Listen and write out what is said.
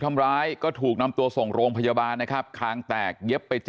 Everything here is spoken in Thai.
ทำร้ายก็ถูกนำตัวส่งโรงพยาบาลนะครับคางแตกเย็บไป๗